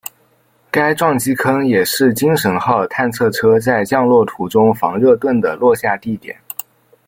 该撞击坑也是精神号探测车在降落途中防热盾的落下地点。